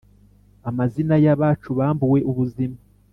amazina y’abacu bambuwe ubuzima